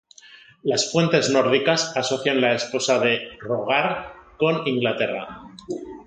Las fuentes nórdicas asocian la esposa de Hroðgar con Inglaterra.